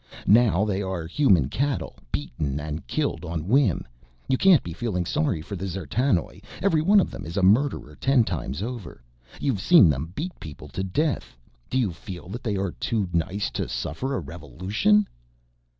Now they are human cattle, beaten and killed on whim. You can't be feeling sorry for the D'zertanoj every one of them is a murderer ten times over. You've seen them beat people to death. Do you feel that they are too nice to suffer a revolution?"